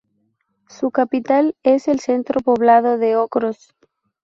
Su capital es el centro poblado de Ocros.